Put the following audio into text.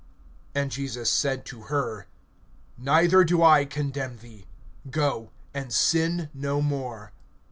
And Jesus said to her: Neither do I condemn thee; go, and sin no more.